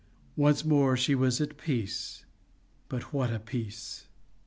Once more she was at peace but what a peace!